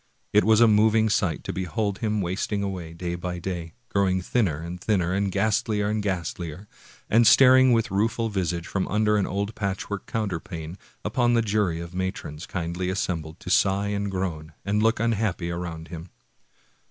It was a moving sight to behold him wasting away day by day, growing thinner and thinner and ghastlier and ghastlier, and staring with rueful visage from under an old patchwork counterpane, upon the jury of matrons kindly assembled to sigh and groan and look unhappy around him.